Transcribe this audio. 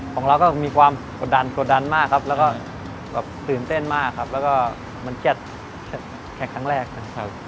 ของเราก็มีความกดดันมากซึ้งเต้นมากแล้วก็เหมือนแก๊ดแข่งครั้งแรกครับ